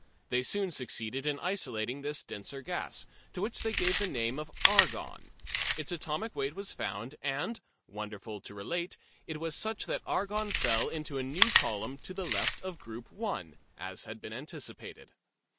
They soon succeeded in isolating this denser gas, to which they gave the name of argon. Its atomic weight was found, and, wonderful to relate, it was such that argon fell into a new column to the left of Group 1, as had been anticipated.